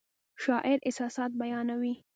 شاعر احساسات بیانوي